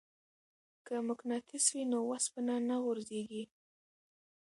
که مقناطیس وي نو وسپنه نه غورځیږي.